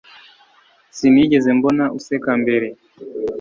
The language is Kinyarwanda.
Sinigeze mbona useka mbere